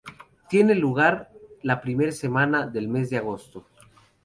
Tiene lugar la primera semana del mes de agosto.